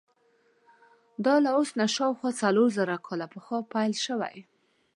دا له اوس نه شاوخوا څلور زره کاله پخوا پیل شوی.